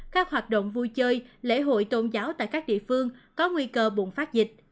các hoạt động vui chơi lễ hội tôn giáo tại các địa phương có nguy cơ bùng phát dịch